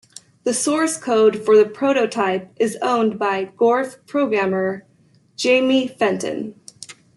The source code for the prototype is owned by "Gorf" programmer Jamie Fenton.